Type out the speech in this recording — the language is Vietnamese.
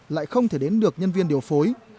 lại không thể đến được nhân viên điều phối